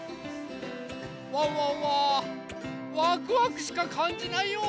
ワンワンはワクワクしかかんじないよ！